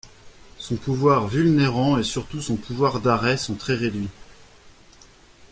Son pouvoir vulnérant et surtout son pouvoir d'arrêt sont très réduits.